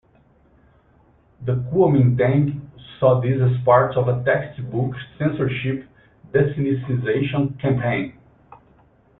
The Kuomintang saw this as part of a textbook censorship desinicization campaign.